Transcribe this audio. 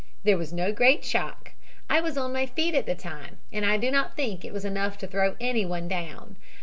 There was no great shock, I was on my feet at the time and I do not think it was enough to throw anyone down.